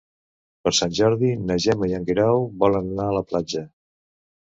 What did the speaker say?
Per Sant Jordi na Gemma i en Guerau volen anar a la platja.